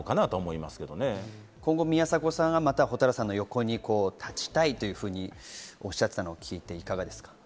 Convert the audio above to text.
今後、宮迫さんは蛍原さんの横に立ちたいというふうにおっしゃっていたのを聞いていかがですか？